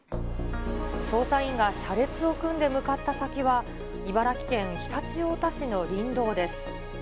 捜査員が車列を組んで向かった先は、茨城県常陸太田市の林道です。